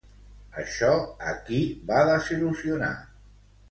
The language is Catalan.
Això a qui va desil·lusionar?